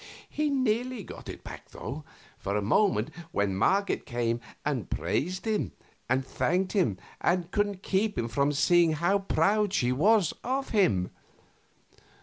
He nearly got it back, though, for a moment when Marget came and praised him and thanked him and couldn't keep him from seeing how proud she was of him.